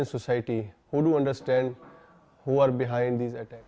yang mengerti siapa yang terdekat dengan serangan ini